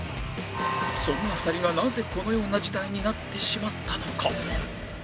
そんな２人がなぜこのような事態になってしまったのか？